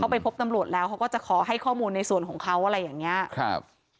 ไปพบตำรวจแล้วเขาก็จะขอให้ข้อมูลในส่วนของเขาอะไรอย่างเงี้ยครับ